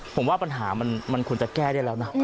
ผมว่าปัญหามันควรจะแก้ได้แล้วนะ